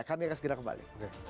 kami akan segera kembali